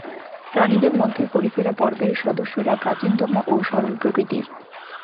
প্রাণীদের মধ্যে পরিফেরা পর্বের সদস্যরা প্রাচীনতম ও সরল প্রকৃতির।